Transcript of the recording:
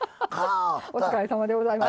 お疲れさまでございます。